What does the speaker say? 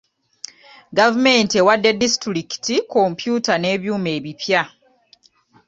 Gavumenti ewadde disitulikiti kompyuta n'ebyuma ebipya.